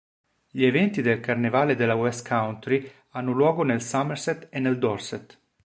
Gli eventi del Carnevale della West Country hanno luogo nel Somerset e Dorset.